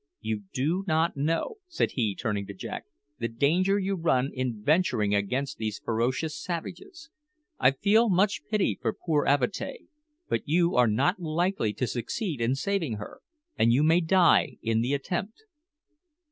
"You do not know," said he, turning to Jack, "the danger you run in venturing amongst these ferocious savages. I feel much pity for poor Avatea; but you are not likely to succeed in saving her, and you may die in the attempt."